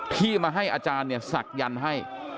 ที่มาให้อาจารย์เนี่ยศักยันต์ให้